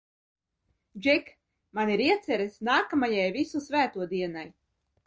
Džek, man ir ieceres nākamajai Visu Svēto dienai!